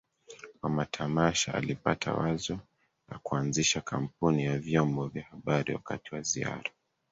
wa matamasha Alipata wazo la kuanzisha kampuni ya vyombo vya habari wakati wa ziara